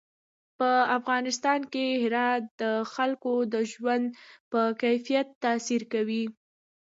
په افغانستان کې هرات د خلکو د ژوند په کیفیت تاثیر کوي.